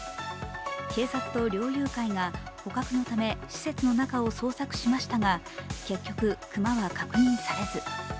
警察と猟友会が捕獲のため施設の中を捜索しましたが結局、熊は確認されず。